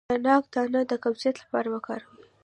د ناک دانه د قبضیت لپاره وکاروئ